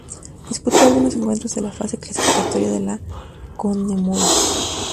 Disputó algunos encuentros de la fase clasificatoria de la Conmebol.